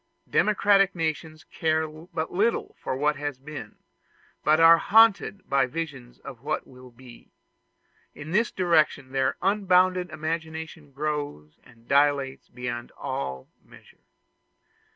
Democratic nations care but little for what has been, but they are haunted by visions of what will be; in this direction their unbounded imagination grows and dilates beyond all measure.